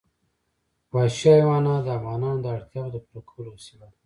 وحشي حیوانات د افغانانو د اړتیاوو د پوره کولو وسیله ده.